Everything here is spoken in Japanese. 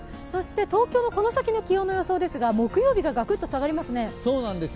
東京のこの先の気温の予想ですが木曜日がガクッと下がりますね。